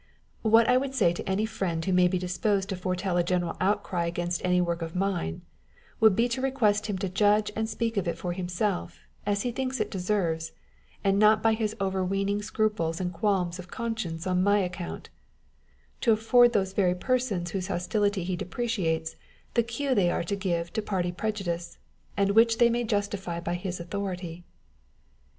What I would say to any friend who may be disposed to foretell a general outcry against any work of mine, would be to request him to judge and speak of it for himself, as he thinks it deserves â€" and not by his overweening scruples and qualms of conscience on my account, to afford those very persons whose hostility he deprecates the cue they are to give to party prejudice, and which they may justify by his authority.